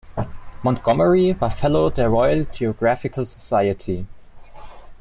Montgomerie war Fellow der Royal Geographical Society.